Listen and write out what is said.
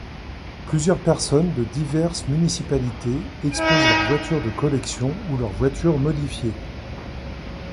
Plusieurs personnes de diverses municipalités exposent leurs voitures de collection ou leurs voitures modifiées.